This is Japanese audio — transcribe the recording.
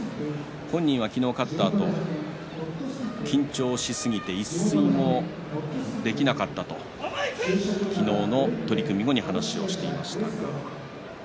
本人は昨日勝ったあと緊張しすぎて一睡もできなかったと昨日の取組後に話をしていました。